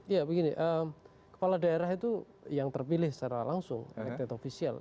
ya begini kepala daerah itu yang terpilih secara langsung elite ofisial